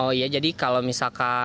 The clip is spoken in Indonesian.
oh iya jadi kalau misalkan